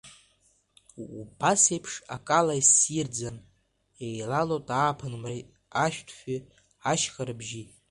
Убас еиԥш акала иссирӡан еилалоит ааԥын мреи, ашәҭ фҩи, ашьха рыбжьи!